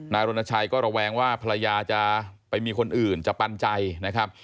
รณชัยก็ระแวงว่าภรรยาจะไปมีคนอื่นจะปันใจนะครับ